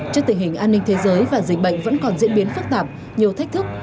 trước tình hình an ninh thế giới và dịch bệnh vẫn còn diễn biến phức tạp nhiều thách thức